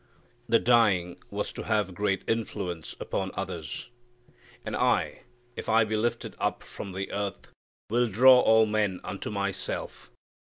The dying was to have great influence upon others. "And I if I be lifted up from the earth will draw all men unto myself."